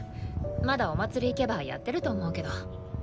まだお祭り行けばやってると思うけど。